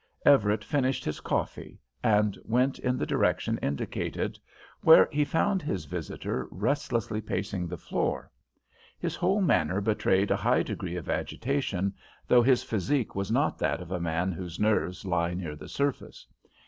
Everett finished his coffee, and went in the direction indicated, where he found his visitor restlessly pacing the floor. His whole manner betrayed a high degree of agitation, though his physique was not that of a man whose nerves lie near the surface.